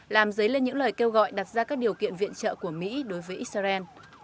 làm dấy lên những lời kêu gọi đặt ra các điều kiện viện trợ của mỹ đối với israel